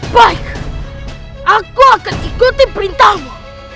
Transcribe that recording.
baik aku akan ikuti perintahmu